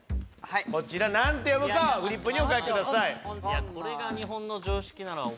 こちらなんて読むかフリップにお書きください